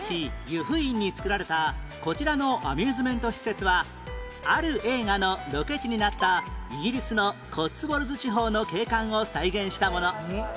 湯布院に造られたこちらのアミューズメント施設はある映画のロケ地になったイギリスのコッツウォルズ地方の景観を再現したもの